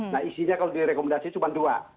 nah isinya kalau di rekomendasi cuma dua